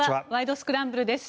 スクランブル」です。